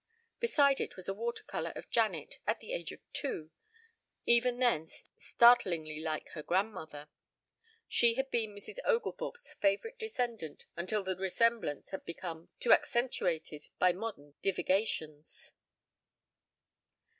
Beside it was a water color of Janet at the age of two, even then startlingly like her grandmother. She had been Mrs. Oglethorpe's favorite descendant until the resemblance had become too accentuated by modern divagations.